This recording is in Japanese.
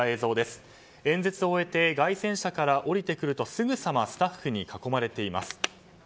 演説を終えて街宣車から降りてくるとすぐさまスタッフに囲まれています。